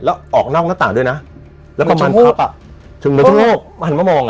แล้วออกนอกหน้าต่างด้วยนะแล้วก็มันครับอะถึงหน้าทุกหันมามองอะ